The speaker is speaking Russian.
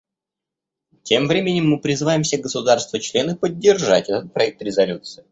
Тем временем мы призываем все государства-члены поддержать этот проект резолюции.